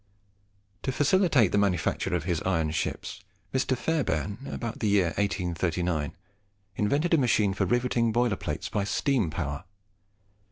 To facilitate the manufacture of his iron sided ships, Mr. Fairbairn, about the year 1839, invented a machine for riveting boiler plates by steam power.